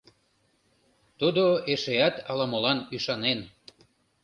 Тудо эшеат ала-молан ӱшанен.